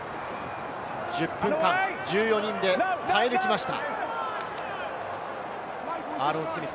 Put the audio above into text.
１０分間、１４人で耐え抜きました。